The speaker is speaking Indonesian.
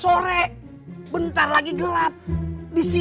apa yang harusaientah kerja